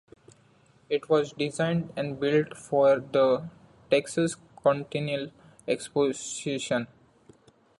It was designed and built for the Texas Centennial Exposition.